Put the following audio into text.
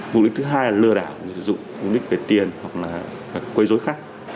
mục đích thứ hai là lừa đảo người dùng mục đích về tiền hoặc là quây dối khách